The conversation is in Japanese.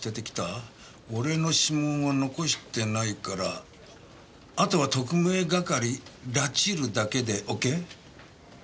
「おれの指紋は残してないからあとは特命係ラチるだけでオケ」